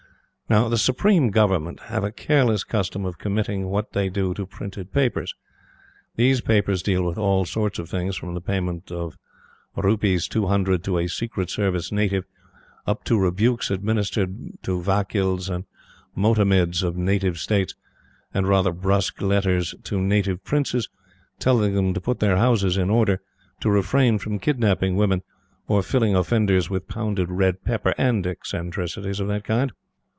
Now, the Supreme Government have a careless custom of committing what they do to printed papers. These papers deal with all sorts of things from the payment of Rs. 200 to a "secret service" native, up to rebukes administered to Vakils and Motamids of Native States, and rather brusque letters to Native Princes, telling them to put their houses in order, to refrain from kidnapping women, or filling offenders with pounded red pepper, and eccentricities of that kind.